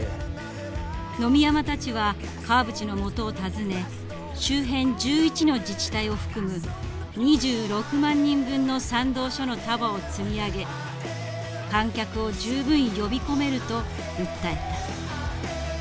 野見山たちは川淵のもとを訪ね周辺１１の自治体を含む２６万人分の賛同書の束を積み上げ観客を十分呼び込めると訴えた。